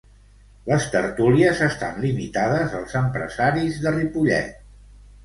Les tertúlies estan limitades als empresaris de Ripollet.